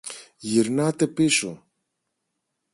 Γυρνάτε πίσω!